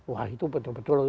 wah itu betul betul